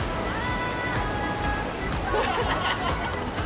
ハハハ